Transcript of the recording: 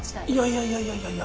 いやいやいや。